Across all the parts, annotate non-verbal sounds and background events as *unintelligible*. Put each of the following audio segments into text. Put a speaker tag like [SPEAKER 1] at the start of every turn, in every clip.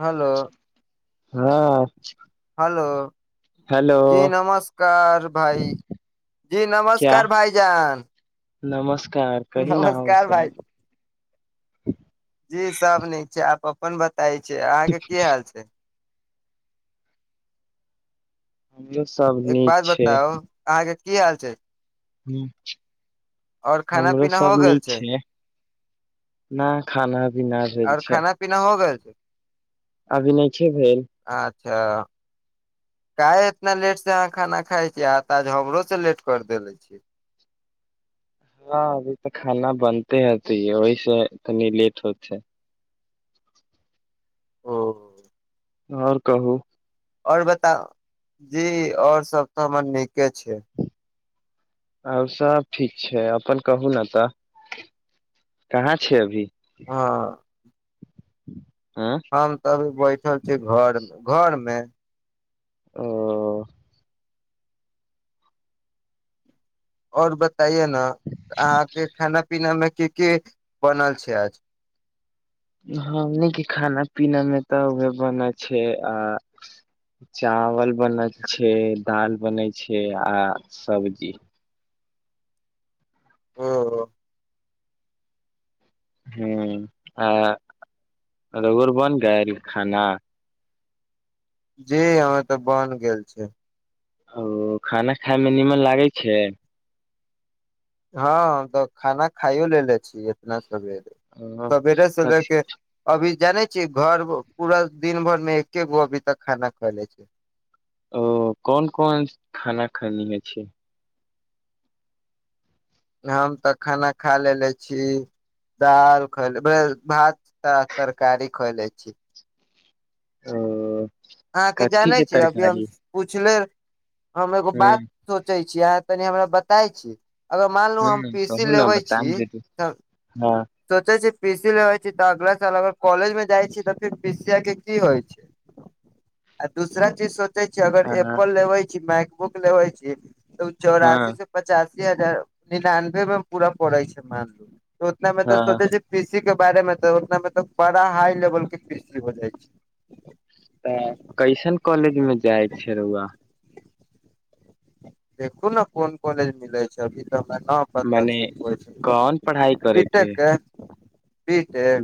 [SPEAKER 1] Hello
[SPEAKER 2] हँ
[SPEAKER 1] hello
[SPEAKER 2] hello
[SPEAKER 1] जी नमस्कार भाइ जी
[SPEAKER 2] क्या
[SPEAKER 1] नमस्कार भाइजान
[SPEAKER 2] नमस्कार कही न आओर सब
[SPEAKER 1] भाई जी सब नीक छै आप अपन बताय छी अहाँ के की हाल छै
[SPEAKER 2] हमरो सब
[SPEAKER 1] एक
[SPEAKER 2] नीक
[SPEAKER 1] बात
[SPEAKER 2] छै
[SPEAKER 1] बताउ अहाँके की हाल छै
[SPEAKER 2] हुँ
[SPEAKER 1] और खाना
[SPEAKER 2] हमरो
[SPEAKER 1] पीना हो
[SPEAKER 2] सब
[SPEAKER 1] गेल
[SPEAKER 2] नीक छै नय खाना पीना भेल
[SPEAKER 1] और
[SPEAKER 2] छै
[SPEAKER 1] खाना पीना हो गेल छै
[SPEAKER 2] अभी नय खे भेल
[SPEAKER 1] अच्छा काहे इतना लेट से अहाँ खाना खाय छीयै आहाँ तऽ आज हमरो से लेट कर देेले छी
[SPEAKER 2] हँ अभी तऽ खाना बनते हतैयो ओहि से कनी लेट होतै
[SPEAKER 1] ओ
[SPEAKER 2] आओर कहू
[SPEAKER 1] आओर बताउ जी आओर सब तऽ हमर नीके छै
[SPEAKER 2] आओर सब ठीक छै अपन कहू न तऽ कहाँ छियै अभी
[SPEAKER 1] हँ
[SPEAKER 2] आँय
[SPEAKER 1] हम तऽ अभी बैठल छी घर घर मे
[SPEAKER 2] ओ
[SPEAKER 1] आओर बताइए न अहाँके खाना पीना मे की की बनल छै आज
[SPEAKER 2] हमनी के खाना पीना मे तऽ उहे बनल छै आ चावल बनल छै दाल बनै छै आ सब्जी
[SPEAKER 1] ओ
[SPEAKER 2] हुँ आ रौअर बन जायल खाना
[SPEAKER 1] जी हमर तऽ बन गेल छै
[SPEAKER 2] ओ खाना खाय मे निमन लागै छै
[SPEAKER 1] हँ तऽ खाना खाइयो लेलेे छी इतना सबेरे
[SPEAKER 2] हँ कथी
[SPEAKER 1] अभी जाने छी घर पूरा दिन भर मे एके गो अभी तक खाना खैले छी
[SPEAKER 2] ओ कोन कोन खाना खाइ लेने छी
[SPEAKER 1] हम तऽ खाना खा लेलेे छी दाल खैले बे भात आ तरकारी खैले छी
[SPEAKER 2] ओ
[SPEAKER 1] अहाँकेँ
[SPEAKER 2] कथी
[SPEAKER 1] जानै
[SPEAKER 2] के
[SPEAKER 1] छियै अभी हम
[SPEAKER 2] तरकारी
[SPEAKER 1] पूछले हम एगो
[SPEAKER 2] ह
[SPEAKER 1] बात सोचै छी अहाँ तनि हमरा बताय छी अगर मानलू हम
[SPEAKER 2] ह कहू
[SPEAKER 1] पीसी
[SPEAKER 2] ने
[SPEAKER 1] लेबै
[SPEAKER 2] बताम
[SPEAKER 1] छी
[SPEAKER 2] जरूर
[SPEAKER 1] तऽ
[SPEAKER 2] हँ
[SPEAKER 1] सोचे छी पीसी लेबै छी तऽ अगला साल अगर कॉलेज मे जाय छी तऽ फिर पीसीया केँ की होइछ आ दूसरा चीज सो चै छी अगर
[SPEAKER 2] हँ
[SPEAKER 1] एप्पल लेबैे छी माइक बुक लेबै छी तऽ उ चौरासी
[SPEAKER 2] हँ
[SPEAKER 1] सँ पचासी हजार निनानबे मे पूरा पड़े छै मानू ओतना मे तऽ
[SPEAKER 2] हँ
[SPEAKER 1] सोचे छी पिसी के बारे मे तऽ ओतना मे तऽ बड़ा हाई लेवल केँ पिसी हो जाइ छै
[SPEAKER 2] तऽ कैसन कॉलेज मे जाइ छै रौउआ
[SPEAKER 1] देखू नऽ कोन कॉलेज मिलै छै अभी तऽ हमरा नऽ पता
[SPEAKER 2] मने
[SPEAKER 1] छै कॉलेज
[SPEAKER 2] कोन पढ़ाई
[SPEAKER 1] बि टेक केँ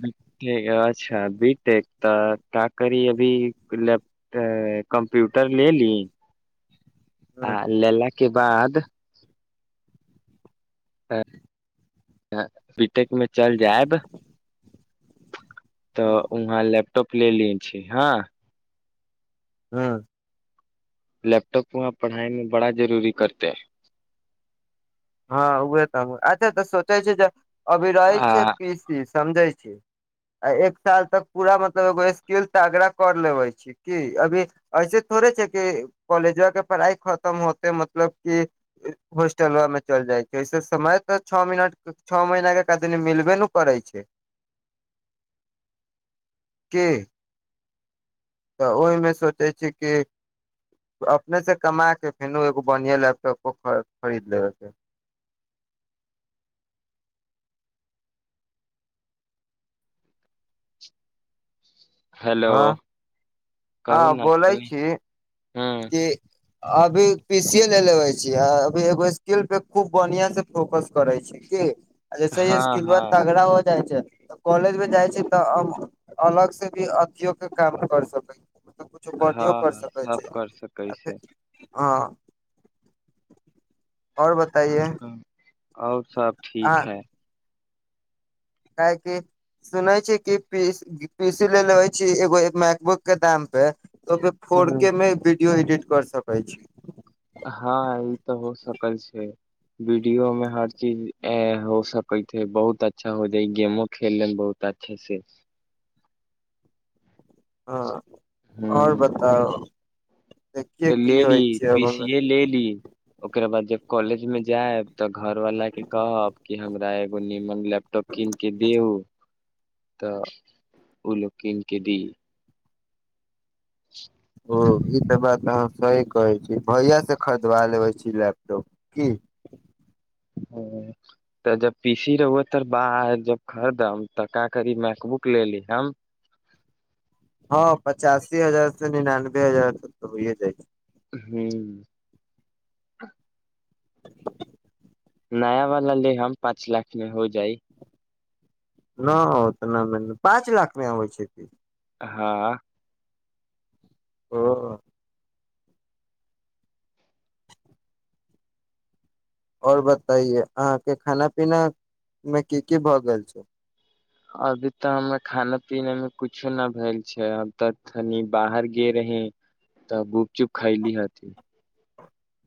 [SPEAKER 2] बि टेक अच्छा बी टेक तऽ का करी अभी लैप तऽ कम्प्यूटर ले ली
[SPEAKER 1] *inaudible*
[SPEAKER 2] आ
[SPEAKER 1] ह
[SPEAKER 2] लेला केँ बाद बीटेक मे चल जैब तऽ उहाँ लैपटॉप ले ले छी हँ
[SPEAKER 1] हँ
[SPEAKER 2] लैपटॉप वहाँ पढ़ाई मे बड़ा जरूरी करतै
[SPEAKER 1] हँ उहे तऽ हमहूँ अच्छा तऽ सोचे छी जे अभी रहै
[SPEAKER 2] आ
[SPEAKER 1] छै पीसी समझै छी आ एक साल तक पूरा मतलब एगो स्किल तागड़ा कर लेबै छी की अभी ऐसे थोड़े छै कि कॉलेजावा केँ पढ़ाइ खतम होते मतलब की हॉस्टलवा मे चल जाइ छै ओइसे समय तऽ छ मिनट, छ महीना केँ कदनी मिलबे नऽ करै छै की तऽ ओहिमे सोचै छिये कि अपने से कमा केँ फेनो एगो बढ़िआ लैपटॉपबो ख - खरीद लेबे केँ
[SPEAKER 2] हेलो
[SPEAKER 1] हँ
[SPEAKER 2] कहू नऽ सुनै हँ
[SPEAKER 1] जे अभी पीसीए ले लेबै छी अभी एगो स्किल पे खूब बढ़िया से फोकस करे छी की ऐसे
[SPEAKER 2] हँ
[SPEAKER 1] स्किलबा
[SPEAKER 2] हँ
[SPEAKER 1] तगड़ा हो जाइ छै कॉलेज मे जाइ छिये तऽ अब अलग से भी अथियो केँ काम कर सकै *unintelligible* यो कर
[SPEAKER 2] हँ
[SPEAKER 1] सकै
[SPEAKER 2] सब
[SPEAKER 1] छी
[SPEAKER 2] कर सकै छै
[SPEAKER 1] हँ आओर बताइए
[SPEAKER 2] आओर सब आओर सब
[SPEAKER 1] अहाँ
[SPEAKER 2] ठीक हइ
[SPEAKER 1] काहेकी सुनै छी की पी पीसी ले लेबे छी एगो मैकबुक केँ दाम पे ओइ मे फोर
[SPEAKER 2] ह
[SPEAKER 1] केँ मे वीडियो एडिट कर सकै छी
[SPEAKER 2] हँ ई तऽ हो सकै छै वीडियो मे हर चीज ऐ हो सकै छै बहुत अच्छा हो जाय गेमो खेलले बहुत त छैय से
[SPEAKER 1] हा ओर
[SPEAKER 2] ह
[SPEAKER 1] बताउ देखिये
[SPEAKER 2] तऽ ले
[SPEAKER 1] की
[SPEAKER 2] ली
[SPEAKER 1] होइ छै
[SPEAKER 2] पी
[SPEAKER 1] अब
[SPEAKER 2] सी
[SPEAKER 1] हमे
[SPEAKER 2] ए ले ली ओकर बाद जब कॉलेज में जायब तऽ घरवाला के कहब कि हमरा एगो नीमन लैपटॉप कीन के दिऊ तऽ ओ लोक किन के दी *inaudible*
[SPEAKER 1] ओ ई तऽ बात आहाँ सहि कहे छी भैया से खरीदवा लेबे छी लैपटॉप की *inaudible*
[SPEAKER 2] तऽ जब पीसी रउआ तर बाह जब खरीदम तऽ का करी मैकबुक लेली हम
[SPEAKER 1] हँ पचासी हजार से निनानबे हजार तक तऽ होइए जाइ छैय
[SPEAKER 2] हू म्मऽ
[SPEAKER 1] *inaudible*
[SPEAKER 2] नया वाला लेहम पाँच लाख मे हो जाइ
[SPEAKER 1] न हो तऽ न मानेपाँच लाख मे आबै छै की
[SPEAKER 2] हँ
[SPEAKER 1] ओऽ और बताये अहां के खाना पीना मे की की भए गेल छैय
[SPEAKER 2] अभी तऽ हमरा खाना पीना मे कुछो न भेल छै अब तऽ तनि बाहर गे रही तऽ गुपचुप खायइ ली हथ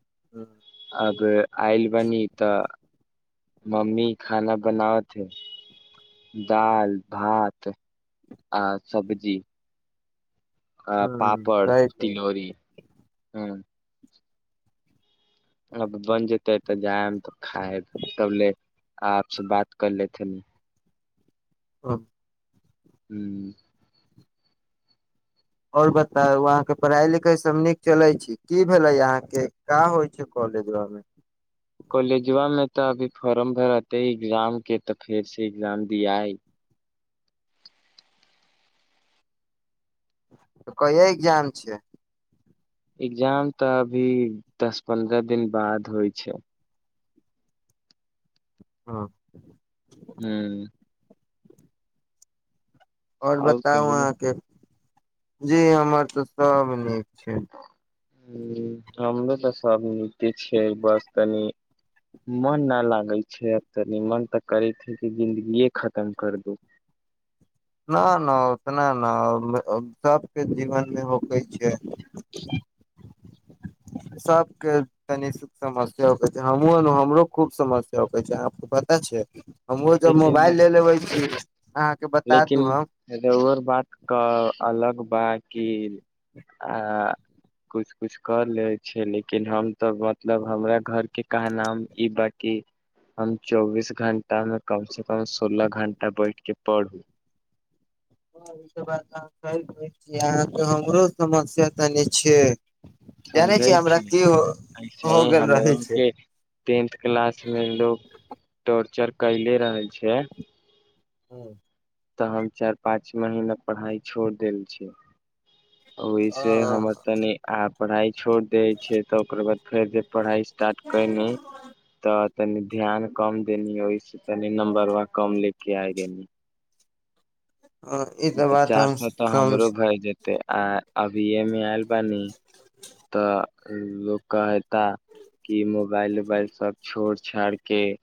[SPEAKER 1] *unintelligible*
[SPEAKER 2] अब आयल बनी तऽ मम्मी खाना बनावथे दाल, भात आ सब्जी आ पापड़,
[SPEAKER 1] सही कहै
[SPEAKER 2] तिलौरी हु अब बन जेते तऽ जायब तऽ खाएम तब ले आपसँ बात कर लेथिन
[SPEAKER 1] अब
[SPEAKER 2] हू
[SPEAKER 1] और बताउ अहाँ के पढ़ाई लिखाई सब नीक चले छी की भेले यहा के का होइ छै कॉलेज मे
[SPEAKER 2] कॉलेजुवा में तऽ अभी फॉर्म भरते एग्जाम के तऽ फेर से एग्जाम दिया
[SPEAKER 1] तऽ कहिय एग्जाम छिए
[SPEAKER 2] एग्जाम तऽ अभी दस पन्द्रह दिन बाद होइ छै
[SPEAKER 1] हँ
[SPEAKER 2] हू
[SPEAKER 1] आओर बताउ अहाँके जी हमर तऽ सब नीक छै *inaudible*
[SPEAKER 2] हू हमरो तऽ सब नीक छिय बस कनि मन नऽ लागे छै आब तनी मन तऽ करे हे कि जिंन्दगीे खतम कर दू
[SPEAKER 1] न न उतना ने सबके जीवन मे होकै छै सबके कनि समस्य कहै छै हम हमरो खूब समस्य कहै छै पता छै हमहु जब
[SPEAKER 2] लेकिन
[SPEAKER 1] मोबाइल ले लेबे छी अहाँ के
[SPEAKER 2] लेकिन ओर बात क अलग बा की आ किछु किछु कऽ लै छै लेकिन हम तऽ मतलब हमरा घरके कह नाम ई बकि हम चौबीस घं्टा मे कम से कम सोलह घं्टा बैठके पढ़ू
[SPEAKER 1] ह ई सब बात अह कहिै छी अहाँके हमरो समस्या तनी छिऐ
[SPEAKER 2] समझै छी
[SPEAKER 1] हो
[SPEAKER 2] ऐसेही
[SPEAKER 1] गेल रहै
[SPEAKER 2] हमरो
[SPEAKER 1] छै
[SPEAKER 2] केँ टेन्थ क्लास मे लोग टोर्चर कयले रहै छै
[SPEAKER 1] हुँ
[SPEAKER 2] तऽ हम चाइर पाँच महीना पढ़ाई छोड़ देल छियै ओहिसे हमर तनी आ पढ़ाई छोड़ दै छियै तऽ ओकर बाद फेर जे पढ़ाई स्टाट कैनी तऽ तनि ध्यान कम देनी ओहिसे तनि नम्बरवा कम ले केँ आय गेनी
[SPEAKER 1] ई
[SPEAKER 2] नय तऽ
[SPEAKER 1] बात
[SPEAKER 2] चार
[SPEAKER 1] हम
[SPEAKER 2] सौ तऽ
[SPEAKER 1] समझ
[SPEAKER 2] हमरो भए जेते आ आ बी ए मे एल बानी
[SPEAKER 1] *inaudible*
[SPEAKER 2] तऽ लोक कऽ हेता की मोबाइल उबाइल सब छोड़ छाड़ केँ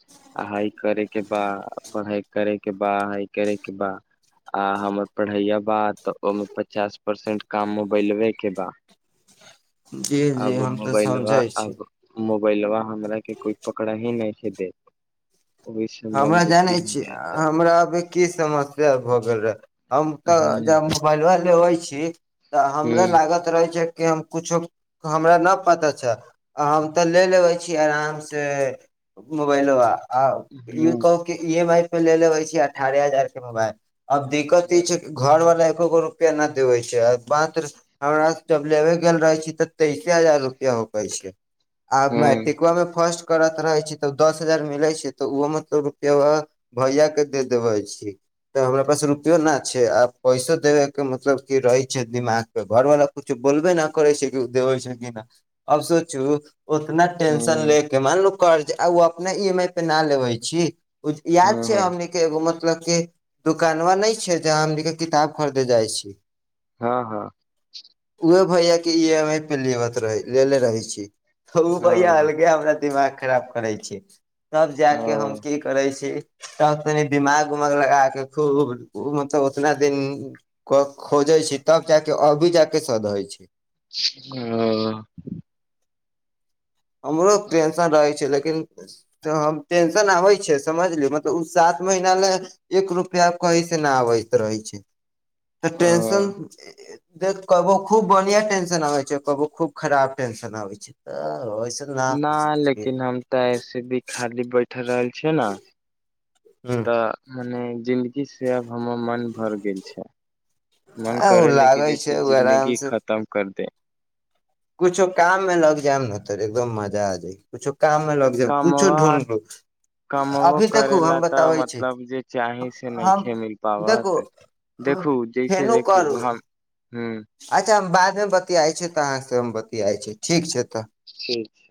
[SPEAKER 2] हाइ करे केँ बा आ पढ़ाई करे केँ बा हाइ करे केँ बा आ हमर पढ़ैया बा तऽ ओहिमे पचास परसेंट काम मेबैलबे केँ बा
[SPEAKER 1] जी जी
[SPEAKER 2] अब
[SPEAKER 1] हम तऽ
[SPEAKER 2] मोबाइलबा
[SPEAKER 1] समझै छी
[SPEAKER 2] अब मोबाइलबा हमरा केँ कोइ पकड़ा ही नय छै देत ओहि से
[SPEAKER 1] हमरा
[SPEAKER 2] मन
[SPEAKER 1] जानै
[SPEAKER 2] दुखी हो
[SPEAKER 1] छी
[SPEAKER 2] जाता है
[SPEAKER 1] हमरा अभि की समस्या भऽ गेल रहे हम तऽ
[SPEAKER 2] ह
[SPEAKER 1] ज लगल रहै छी तऽ हमरा लागत रहै छै कि हम कुछो हमरा नऽ पता छैल आ हम तऽ ले लेबै छी आराम से मोबाइलबा आ ई कहू की इ एम आई पे ले लेबै छी अठारह हजार केँ मोबाइल अब
[SPEAKER 2] ह
[SPEAKER 1] दिक्कत
[SPEAKER 2] ह
[SPEAKER 1] ई छै
[SPEAKER 2] ह
[SPEAKER 1] घर बला एकोगो रुपआ नऽ देबै छै मात्र हमरा से जब लेबे गेल रहै छी तऽ तइसे हजार रुपया हो पै छै आब
[SPEAKER 2] हँ
[SPEAKER 1] मैट्रिका मे फर्स्ट करत रहै छी तऽ उ दस हजार मिलै छै तऽ उहो मऽ सब रुपैयबा भैया केँ दे देबै छी तऽ हमरा पास रुपियो नऽ छै आब पैसो देबे केँ मतलब की रहै छै दिमाग तऽ घर वाला कछु बोलबे नऽ करै छै कि उ देबै छै कि ना अब सोचू उतना टेंशन ले केँ मानलू कर्ज आ उ अपना ई एम आई पे नऽ लेबै छी याद छै
[SPEAKER 2] हँ
[SPEAKER 1] हमनी केँ एगो मतलब की दुकानवा नय छै जहाँ हमनी केँ किताब खरीदे जाइ छी
[SPEAKER 2] हँ - हँ
[SPEAKER 1] उहे भैया केँ इ एम आई पे लेबत रहे लेेले रहै छी। अ उ
[SPEAKER 2] हँ
[SPEAKER 1] भैया अलगे हमरा दिमाग खराब करै छी तब जाकेँ हम
[SPEAKER 2] ह
[SPEAKER 1] की करै छी तऽ तनि दिमाग उमाग लगा कऽ खूब मतलब उतना दिन कऽ खोजे छी तब जाकेँ अभी जाकेँ सधैय छै
[SPEAKER 2] ओ
[SPEAKER 1] हमरो टेन्सन रहै छै लेकिन त हम टेंशन आबै छै समझलू मतलब उ सात महीना ले एक रुपया कही से नऽ आबैत रहै छै तऽ टेंशन देख कबो खूब बढ़िया टेंशन आबे छै कबो खूब खराब टेंशन आबे छै तऽ ऐसन
[SPEAKER 2] ना लेकिन हम तऽ ऐसे भी खाली बैठ रहल छियै नऽ
[SPEAKER 1] हुँ
[SPEAKER 2] तऽ मने जिन्दगी से आब हमर मन भर गेल छै मन
[SPEAKER 1] आ ओ
[SPEAKER 2] करेले की
[SPEAKER 1] लागै
[SPEAKER 2] जैसे
[SPEAKER 1] छै ओ आराम
[SPEAKER 2] जिन्दगी
[SPEAKER 1] से
[SPEAKER 2] खतम कर दे
[SPEAKER 1] कुछो काम मे लग जैम नऽ तऽ एकदम मजा आ जाइ कुछो काम मे
[SPEAKER 2] तऽ
[SPEAKER 1] लग जैन कुछो
[SPEAKER 2] कामवा
[SPEAKER 1] ढूँढ लू
[SPEAKER 2] कमबो
[SPEAKER 1] अभी
[SPEAKER 2] करै
[SPEAKER 1] देखू हम
[SPEAKER 2] लए तऽ
[SPEAKER 1] बताबै छी
[SPEAKER 2] मतलब जे चाही से नहि
[SPEAKER 1] हम
[SPEAKER 2] खे मिल
[SPEAKER 1] देखू
[SPEAKER 2] पाबत। देखू जैसे
[SPEAKER 1] फेनो करू
[SPEAKER 2] देखू हम ह
[SPEAKER 1] अच्छा हम बादमे बतियाइत छी तऽ अहाँसँ हम बतियाइत छी ठीक छै तऽ।
[SPEAKER 2] ठीक।